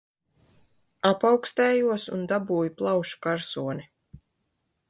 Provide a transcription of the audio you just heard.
Apaukstējos un dabūju plaušu karsoni